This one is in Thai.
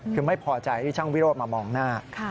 คือไม่พอใจที่ช่างวิโรธมามองหน้า